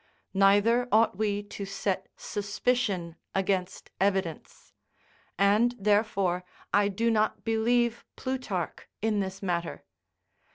Neither ought we to set suspicion against evidence; and therefore I do not believe Plutarch in this matter.